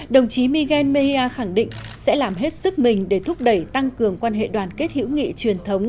đồng chí miguel mea khẳng định sẽ làm hết sức mình để thúc đẩy tăng cường quan hệ đoàn kết hữu nghị truyền thống